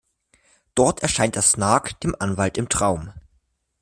Dort erscheint der Snark dem Anwalt im Traum.